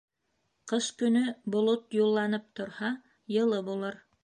Ҡыш көнө болот юлланып торһа, йылы булыр.